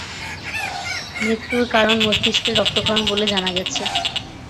মৃত্যুর কারণ মস্তিষ্কের রক্তক্ষরণ বলে জানা গেছে।